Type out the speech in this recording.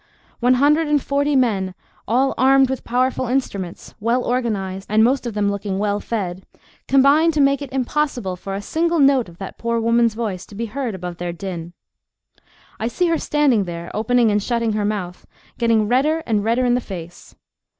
One hundred and forty men, all armed with powerful instruments, well organised, and most of them looking well fed, combine to make it impossible for a single note of that poor woman's voice to be heard above their din. I see her standing there, opening and shutting her mouth, getting redder and redder in the face.